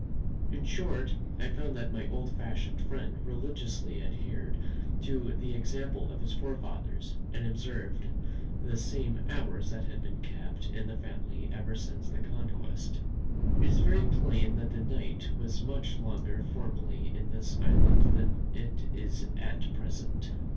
In short, I found that my old fashioned friend religiously adhered to the example of his forefathers, and observed the same hours that had been kept in the family ever since the Conquest. It is very plain that the night was much longer formerly in this island than it is at present.